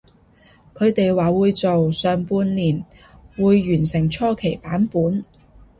佢哋話會做，上半年會完成初期版本